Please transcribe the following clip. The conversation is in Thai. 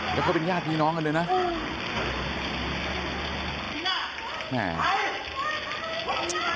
แล้วเขาเป็นญาติดีน้องกันเลยนะอืม